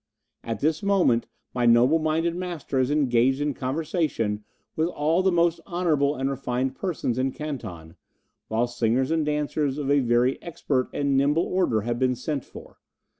At this moment my noble minded master is engaged in conversation with all the most honourable and refined persons in Canton, while singers and dancers of a very expert and nimble order have been sent for.